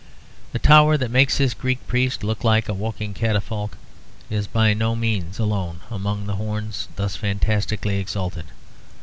The tower that makes the Greek priest look like a walking catafalque is by no means alone among the horns thus fantastically exalted.